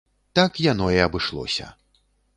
Так яно і абышлося.